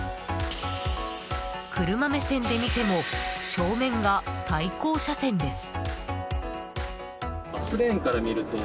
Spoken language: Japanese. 車目線で見ても正面が対向車線です。